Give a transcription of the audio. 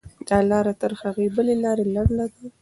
دا لاره تر هغې بلې لارې لنډه ده.